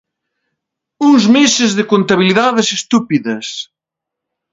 Uns meses de contabilidades estúpidas.